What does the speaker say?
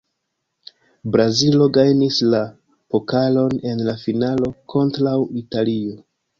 Brazilo gajnis la pokalon en la finalo kontraŭ Italio.